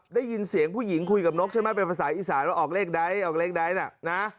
ได้ยินเสียงผู้หญิงคุยกับนกใช่ไหมเป็นภาษาอิสัยแล้วออกเลขใดน่ะ